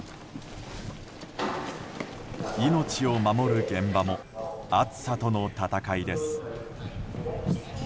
命を守る現場も暑さとの戦いです。